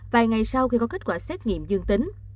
vài ngày sau khi có kết quả xét nghiệm dương tính